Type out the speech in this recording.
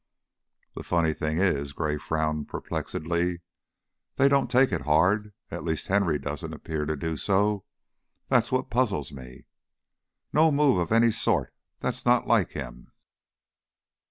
"The funny thing is" Gray frowned, perplexedly "they don't take it hard. At least, Henry doesn't appear to do so. That's what puzzles me. No move of any sort That's not like him."